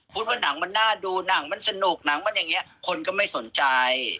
ว่าหนังมันน่าดูหนังมันสนุกหนังมันอย่างนี้คนก็ไม่สนใจ